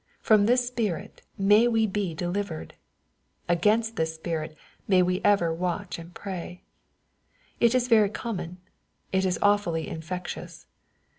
From this spirit may we be delivered 1 Against this spirit may we ever watch and pray I It is very common. It is awfully infectious.